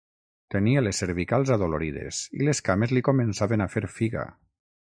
Tenia les cervicals adolorides i les cames li començaven a fer figa.